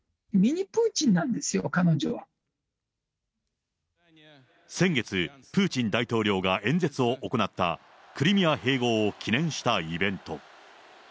ミニプーチンなんですよ、先月、プーチン大統領が演説を行ったクリミア併合を記念したイベント。